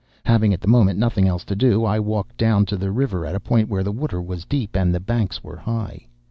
Having at the moment nothing else to do, I walked down to the river at a point where the water was deep and the banks were high.